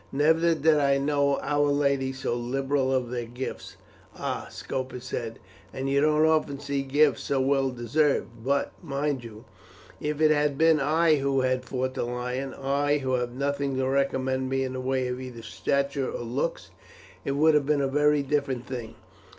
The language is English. Never did I know our ladies so liberal of their gifts." "Ah!" Scopus said, "and you don't often see gifts so well deserved; but, mind you, if it had been I who had fought the lion I, who have nothing to recommend me in the way of either stature or looks it would have been a very different thing.